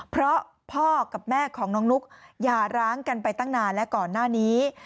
เพราะพ่อกับแม่ของน้องนุ๊กอย่าร้างกันไปตั้งนานและก่อนหน้านี้